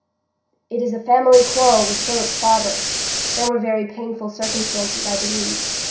"It is a family quarrel with Philip's father. There were very painful circumstances, I believe.